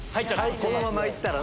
このままいったらな。